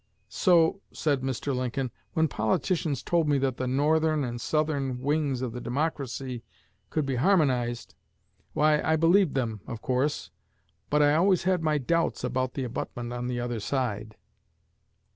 'So,' said Mr. Lincoln, 'when politicians told me that the Northern and Southern wings of the Democracy could be harmonized, why, I believed them, of course; but I always had my _doubts about the abutment on the other side.